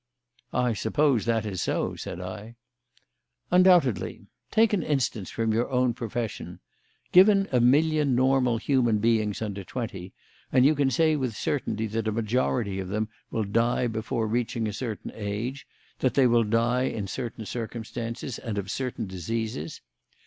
"I suppose that is so," said I. "Undoubtedly. Take an instance from your own profession. Given a million normal human beings under twenty, and you can say with certainty that a majority of them will die before reaching a certain age, that they will die in certain circumstances and of certain diseases.